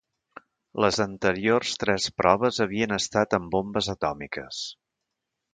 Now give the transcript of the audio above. Les anteriors tres proves havien estat amb bombes atòmiques.